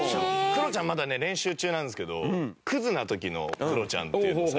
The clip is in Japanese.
クロちゃんまだね練習中なんですけどクズな時のクロちゃんっていうのを最近やってて。